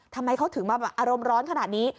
ทำไมเขาถึงมาอารมณ์ร้อนขนาดนี้